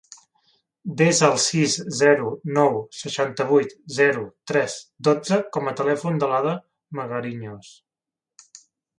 Desa el sis, zero, nou, seixanta-vuit, zero, tres, dotze com a telèfon de l'Ada Magariños.